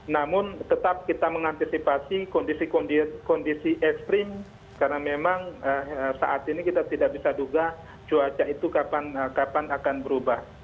namun tetap kita mengantisipasi kondisi kondisi ekstrim karena memang saat ini kita tidak bisa duga cuaca itu kapan akan berubah